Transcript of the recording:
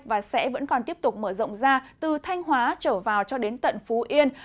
và sẽ vẫn còn tiếp tục mở rộng ra từ thanh hóa trở vào cho đến tận phú yên